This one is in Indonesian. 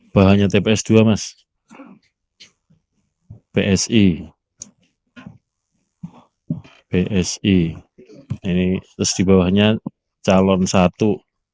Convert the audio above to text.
bahannya tps dua mas psi psi ini terus dibawahnya calon satu